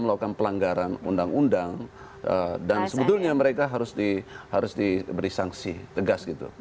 melakukan pelanggaran undang undang dan sebetulnya mereka harus di harus diberi sanksi tegas gitu